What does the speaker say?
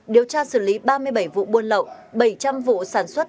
điều tra xử lý ba mươi bảy vụ buôn lậu bảy trăm linh vụ sản xuất